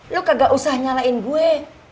lo kagak usah nyalain gue